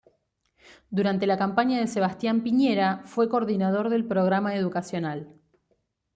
Durante la campaña de Sebastián Piñera, fue coordinador del programa educacional.